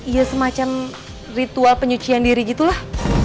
iya semacam ritual penyucian diri gitulah